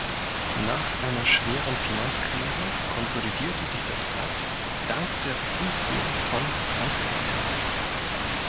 Nach einer schweren Finanzkrise konsolidierte sich das Blatt dank der Zufuhr von Fremdkapital.